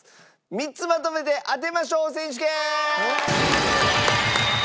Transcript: ３つまとめて当てましょう選手権。